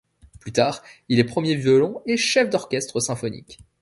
Plus tard, il est premier violon et chef d'orchestre symphonique.